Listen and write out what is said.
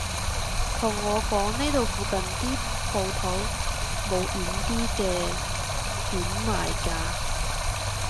同我講呢度附近啲舖頭冇軟啲嘅弦賣㗎